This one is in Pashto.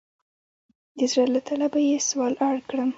د زړه له تله به یې سوال اړ کړم.